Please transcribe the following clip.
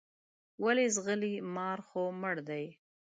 ولې ځغلې مار خو مړ دی.